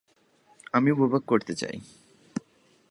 আমি উপভোগ করতে চাই।